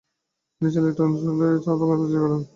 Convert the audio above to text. তিনি সিলেট অঞ্চলে তিনটি চা বাগান প্রতিষ্ঠা করেন।